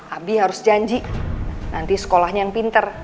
abi harus janji nanti sekolahnya yang pinter